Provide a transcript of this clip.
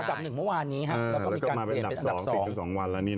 อันดับ๑เมื่อวานนี้ครับแล้วก็มีการเปลี่ยนเป็นอันดับ๒